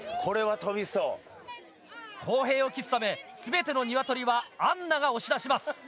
公平を期すため全てのニワトリはアンナが押し出します！